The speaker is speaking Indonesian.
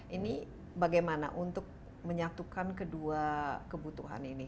ini bagaimana untuk menyatukan kedua kebutuhan ini